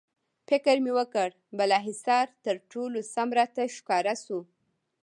فکر مې وکړ، بالاحصار تر ټولو سم راته ښکاره شو.